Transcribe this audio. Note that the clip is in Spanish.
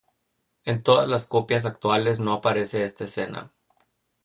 En todas las copias actuales no aparece esta escena.